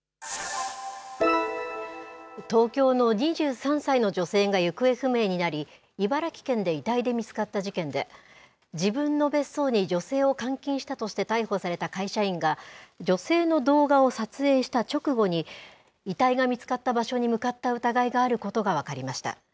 東京の２３歳の女性が行方不明になり、茨城県で遺体で見つかった事件で、自分の別荘に女性を監禁したとして逮捕された会社員が、女性の動画を撮影した直後に、遺体が見つかった場所に向かった疑いがあることが分かりました。